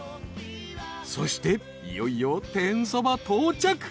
［そしていよいよ天そば到着］